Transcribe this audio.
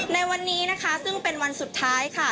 ในวันนี้นะคะซึ่งเป็นวันสุดท้ายค่ะ